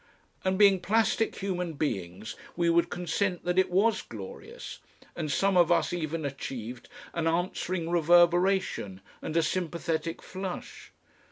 And being plastic human beings we would consent that it was glorious, and some of us even achieved an answering reverberation and a sympathetic flush.